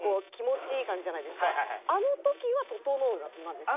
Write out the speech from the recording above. あの時はととのうなんですか？